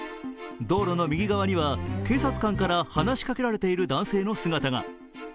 道路の右側には警察官から話しかけられている男性の姿が。